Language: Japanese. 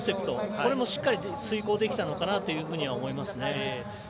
これもしっかり遂行できたのかなと思いますね。